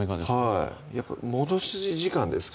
はいやっぱ戻し時間ですか？